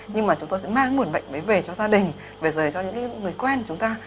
nhưng mà chúng tôi sẽ mang nguồn bệnh mới về cho gia đình về cho những người quen của chúng ta